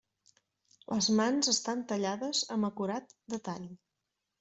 Les mans estan tallades amb acurat detall.